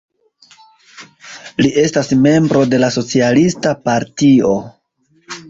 Li estas membro de la Socialista Partio.